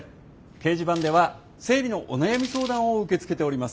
掲示板では生理のお悩み相談を受け付けております。